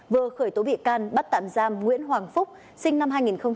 vừa khởi tố bị can bắt tạm giam nguyễn hoàng phúc sinh năm hai nghìn